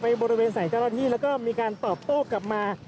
ไปบริเวณสายเจ้าละที่แล้วก็มีการตอบโต้กลับมา